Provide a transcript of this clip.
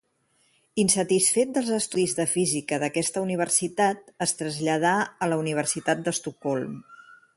Insatisfet dels estudis de física d'aquesta universitat, es traslladà a la Universitat d'Estocolm.